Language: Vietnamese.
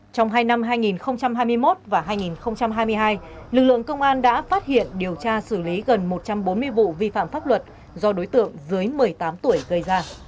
trong hai năm hai nghìn hai mươi một và hai nghìn hai mươi hai lực lượng công an đã phát hiện điều tra xử lý gần một trăm bốn mươi vụ vi phạm pháp luật do đối tượng dưới một mươi tám tuổi gây ra